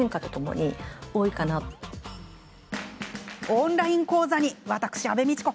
オンライン講座に私、安部みちこ